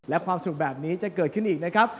และความสนุกแบบนี้จะเกิดขึ้นอีกนะครับ